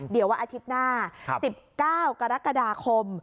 เดี๋ยววันอาทิตย์หน้า๑๙กรกฎาคม